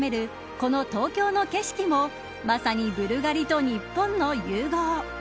この東京の景色もまさにブルガリと日本の融合。